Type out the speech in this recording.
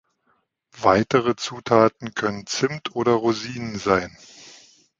Weitere Zutaten können Zimt oder Rosinen sein.